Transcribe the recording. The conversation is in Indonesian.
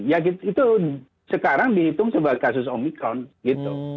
ya itu sekarang dihitung sebagai kasus omikron gitu